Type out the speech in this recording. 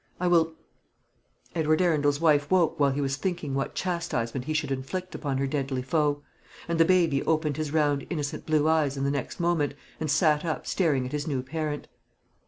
I will " Edward Arundel's wife woke while he was thinking what chastisement he should inflict upon her deadly foe; and the baby opened his round innocent blue eyes in the next moment, and sat up, staring at his new parent.